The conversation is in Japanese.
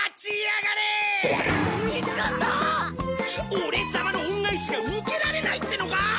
オレ様の恩返しが受けられないってのか？